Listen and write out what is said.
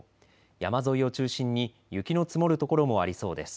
山沿いを中心に雪の積もる所もありそうです。